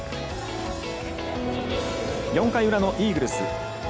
４回裏のイーグルス。